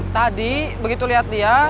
tadi begitu liat dia